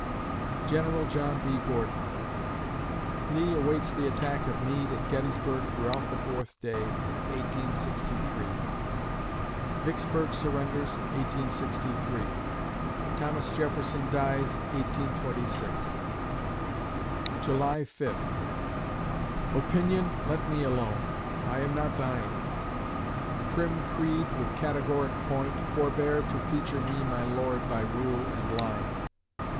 GENERAL JOHN B. GORDON Lee awaits the attack of Meade at Gettysburg throughout the fourth day, 1863 Vicksburg surrenders, 1863 Thomas Jefferson dies, 1826 July Fifth Opinion, let me alone: I am not thine. Prim creed, with categoric point, forbear To feature me my Lord by rule and line.